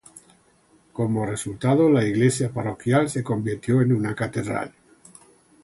Como resultado, la iglesia parroquial se convirtió en una catedral.